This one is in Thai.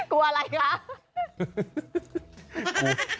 กลัวอะไรคะ